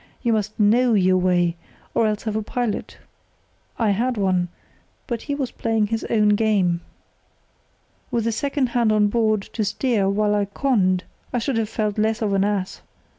You must know your way, or else have a pilot. I had one, but he was playing his own game. "With a second hand on board to steer while I conned I should have felt less of an ass.